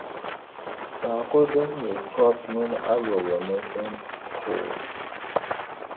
Faako din nyɛ tɔbu mini alɔbo ni dimpooi.